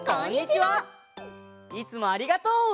いつもありがとう！